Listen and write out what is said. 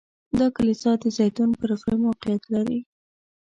دا کلیسا د زیتون پر غره موقعیت لري.